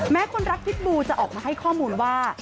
คนรักพิษบูจะออกมาให้ข้อมูลว่า